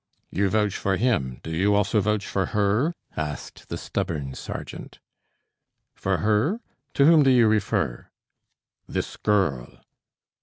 "You vouch for him. Do you also vouch for her?" asked the stubborn sergeant. "For her? To whom do you refer?" "This girl."